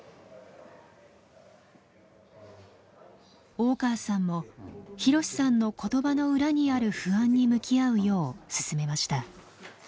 大川さんもひろしさんの言葉の裏にある不安に向き合うよう勧めました。